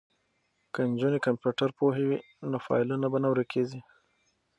که نجونې کمپیوټر پوهې وي نو فایلونه به نه ورکیږي.